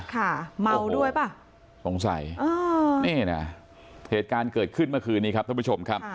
ค่ะเสร็จเนี้ยเหตุการณ์เกิดขึ้นเมื่อคืนนี้ครับทุกคนชมครับ